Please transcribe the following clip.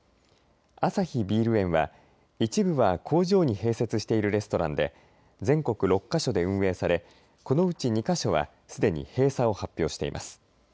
アサヒビール園は一部は工場に併設しているレストランで全国６か所で運営されこのうち２か所はすでに閉鎖を発表しています。